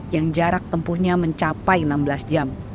yang jarak tempuhnya mencapai enam belas jam